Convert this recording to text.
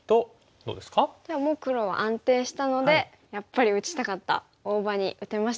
もう黒は安定したのでやっぱり打ちたかった大場に打てましたね。